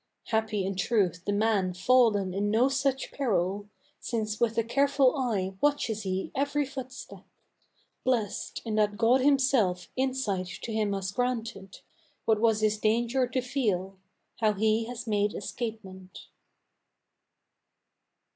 Happy in truth the man fallen in no such peril, Since with a careful eye watches he every footstep, Blessed in that God himself insight to him has granted What was his danger to feel; how he has made escapement.